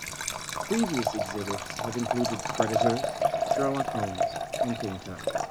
Previous exhibits have included "Predators," "Sherlock Holmes," and "King Tut.